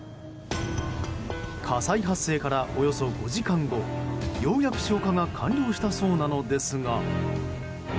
火災発生から、およそ５時間後ようやく消火が完了したそうなのですが。